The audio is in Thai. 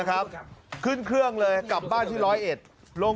การนอนไม่จำเป็นต้องมีอะไรกัน